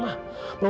mama harus bersyukur